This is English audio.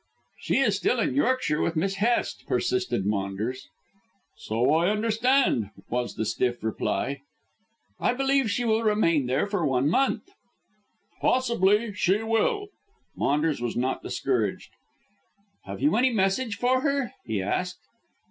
"She is still in Yorkshire with Miss Hest," persisted Maunders. "So I understand," was the stiff reply. "I believe she will remain there for one month." "Possibly she will." Maunders was not discouraged. "Have you any message for her," he asked.